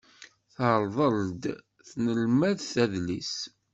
Terḍel-d tnelmadt adlis.